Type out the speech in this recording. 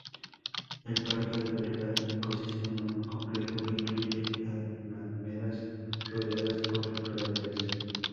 El parque alberga un ecosistema muy complejo que incluye alamedas rodeadas por praderas.